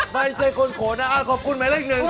ใบเจคลโขนาขอบคุณหมายเลข๑จริงเลย